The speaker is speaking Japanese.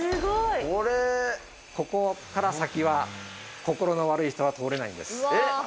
ここから先は心の悪い人は通れないんです。